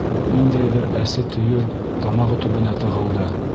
Ниндәйҙер әсе төйөр тамағы төбөнә тығылды.